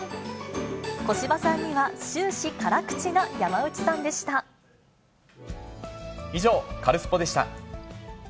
小芝さんには、終始辛口な山以上、カルスポっ！でした。